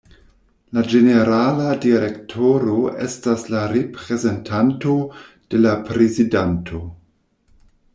La ĝenerala direktoro estas la reprezentanto de la prezidanto.